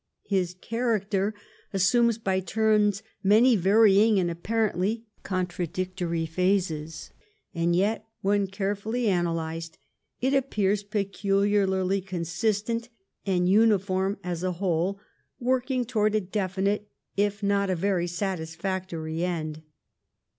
His character assumes by turns many varying and apparently contradictory phases ; and yet, when carefully analysed, it appears peculiarly consistent and uniform as a whole, working towards a definite if not a very satisfactory end.'